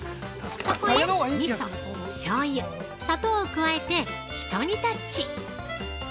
そこへ、みそ、しょうゆ、砂糖を加えて、ひと煮立ち。